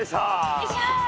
よいしょ。